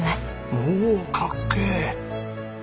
おおかっけえ！